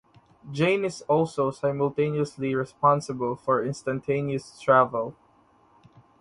Jane is also simultaneously responsible for instantaneous travel.